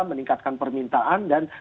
meningkatkan permintaan dan